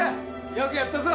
よくやったぞ！